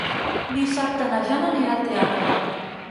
Dissabte na Jana anirà al teatre.